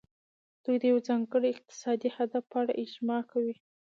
دوی د یو ځانګړي اقتصادي هدف په اړه اجماع کوي